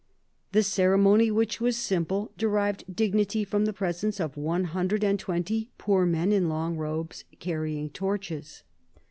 The ceremony, which was simple, derived dignity from the presence of one hundred and twenty poor men in long robes, carrying torches.